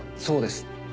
そうです。